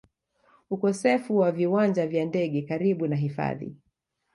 ukosefu wa viwanja vya ndege karibu na hifadhi